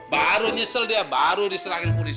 baru nyesel dia baru diserangin polisi